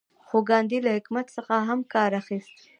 خو ګاندي له حکمت څخه هم کار اخیست.